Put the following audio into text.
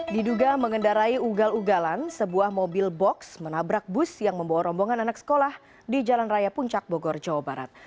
diduga mengendarai ugal ugalan sebuah mobil box menabrak bus yang membawa rombongan anak sekolah di jalan raya puncak bogor jawa barat